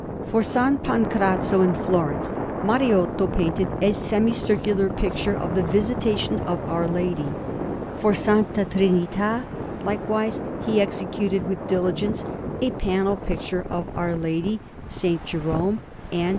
For S. Pancrazio, in Florence, Mariotto painted a semicircular picture of the Visitation of Our Lady. For S. Trinità, likewise, he executed with diligence a panel picture of Our Lady, S. Jerome, and S.